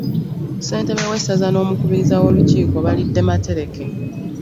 Ssentebe w'essaza n'omukubiriza w'olukiiko balidde matereke.